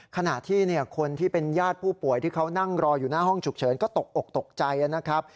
ขณะที่คนที่เป็นญาติผู้ป่วยที่เขานั่งรออยู่หน้าห้องฉุกเฉินก็ตกอกตกใจนะครับ